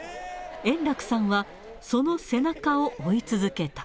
円楽さんは、その背中を追い続けた。